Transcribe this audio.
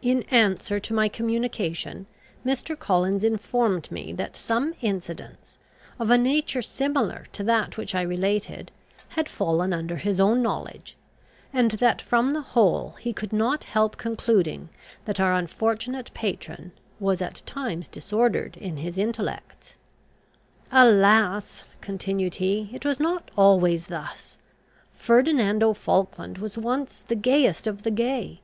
In answer to my communication, Mr. Collins informed me that some incidents, of a nature similar to that which I related, had fallen under his own knowledge, and that from the whole he could not help concluding that our unfortunate patron, was at times disordered in his intellects. "Alas!" continued he, "it was not always thus! Ferdinando Falkland was once the gayest of the gay.